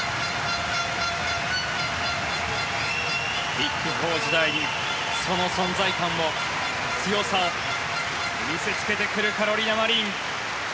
ビッグ４時代に、その存在感を強さを見せつけてくるカロリナ・マリン。